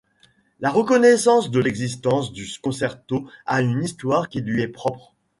La reconnaissance de l'existence du concerto a une histoire qui lui est propre.